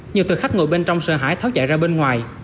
nhiều thực khách ngồi bên trong sợ hãi tháo chạy ra bên ngoài